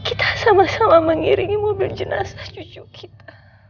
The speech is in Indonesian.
kita sama sama mengiringi mobil jenazah cucu kita